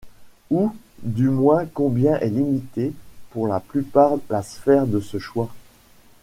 Ou du moins combien est limitée pour la plupart la sphère de ce choix!